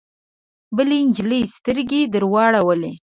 بلې جینۍ سترګې درواړولې